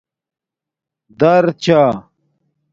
دَرچہ